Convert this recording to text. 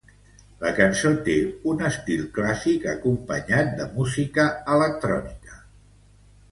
La cançó té un estil clàssic acompanyat de música electrònica.